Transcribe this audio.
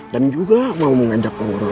dan juga mau mengajak ngobrol opa ustadz